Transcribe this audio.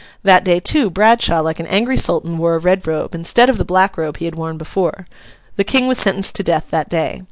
That day, too, Bradshaw, like an angry Sultan, wore a red robe, instead of the black robe he had worn before. The King was sentenced to death that day.